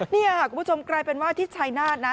นี่ค่ะคุณผู้ชมกลายเป็นว่าที่ชายนาฏนะ